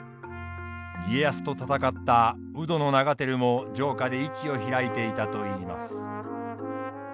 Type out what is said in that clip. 家康と戦った鵜殿長照も城下で市を開いていたといいます。